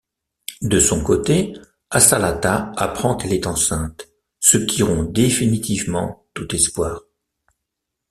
De son côté, Ashalata apprend qu'elle est enceinte, ce qui rompt définitivement tout espoir.